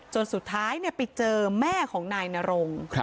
สุดท้ายไปเจอแม่ของนายนรง